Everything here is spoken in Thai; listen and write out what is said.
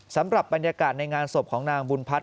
สำหรับบรรยากาศในงานศพของนางบุญพัฒน